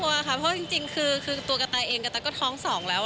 ไม่ควรค่ะเพราะจริงคือตัวกะตาเองกะตาก็ท้องสองแล้ว